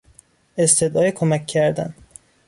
استدعای کمک کردن